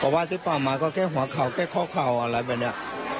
เพราะว่าถือผ้ามาก็แค่หัวเข่าแค่ข้อเข่าอะไรแบบเนี่ย